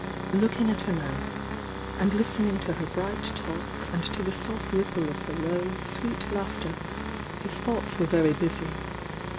Looking at her now, and listening to her bright talk and to the soft ripple of her low, sweet laughter, his thoughts were very busy.